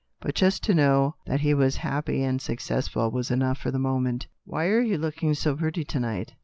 But just to know that he was happy and successful was enough for the moment. " Why are you looking so pretty to night